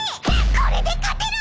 これで勝てる！